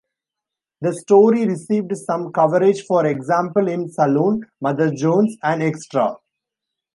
The story received some coverage, for example in "Salon", "Mother Jones" and "Extra!